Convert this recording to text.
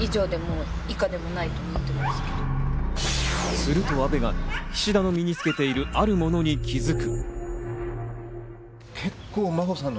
すると阿部が菱田の身につけているあるものに気づく。